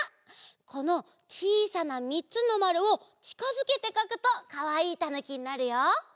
このちいさなみっつのまるをちかづけてかくとかわいいたぬきになるよ。